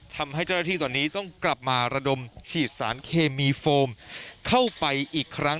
ทำให้เจ้าหน้าที่ตอนนี้ต้องกลับมาระดมฉีดสารเคมีโฟมเข้าไปอีกครั้ง